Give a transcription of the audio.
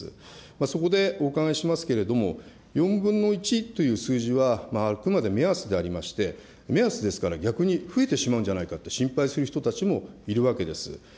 そこでお伺いしますけれども、４分の１という数字は、あくまで目安でありまして、目安ですから、逆に増えてしまうんじゃないかって心配する人たちもいるわけです。